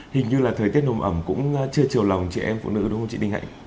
hình như là thời tiết nồm ẩm cũng chưa chiều lòng chị em phụ nữ đúng không chị đinh hạnh